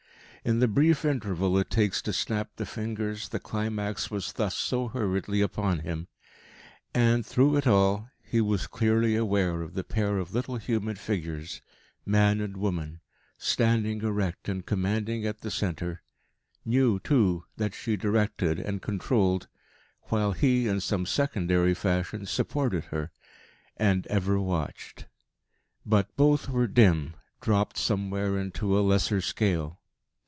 In the brief interval it takes to snap the fingers the climax was thus so hurriedly upon him. And, through it all, he was clearly aware of the pair of little human figures, man and woman, standing erect and commanding at the centre knew, too, that she directed and controlled, while he in some secondary fashion supported her and ever watched. But both were dim, dropped somewhere into a lesser scale.